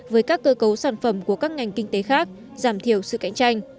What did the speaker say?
với các cơ cấu sản phẩm của các ngành kinh tế khác giảm thiểu sự cạnh tranh